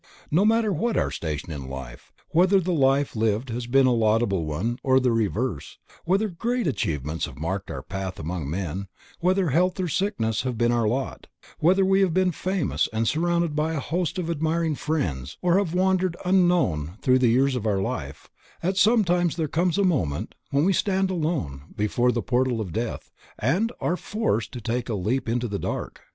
No matter what our station in life, whether the life lived has been a laudable one or the reverse, whether great achievements have marked our path among men, whether health or sickness have been our lot, whether we have been famous and surrounded by a host of admiring friends or have wandered unknown through the years of our life, at some time there comes a moment when we stand alone before the portal of death and are forced to take the leap into the dark.